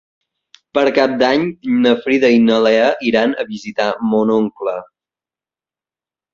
Per Cap d'Any na Frida i na Lea iran a visitar mon oncle.